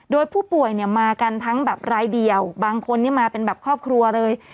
โดยผู้ป่วยเนี่ยมากันทั้งแบบรายเดียวบางคนนี่มาเป็นแบบครอบครัวเลย